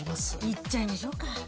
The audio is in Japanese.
いっちゃいましょうか。